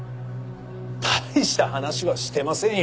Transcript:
大した話はしてませんよ。